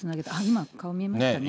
今、顔見えましたね。